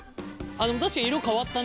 確かに色変わったね。